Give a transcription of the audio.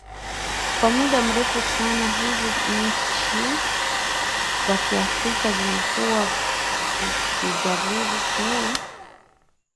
kwa muda mrefu sana hizi nchi za kiafrika zimekuwa zikijaribu kuu